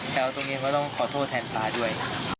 แต่ว่าตรงนี้ก็ต้องขอโทษแทนตาด้วย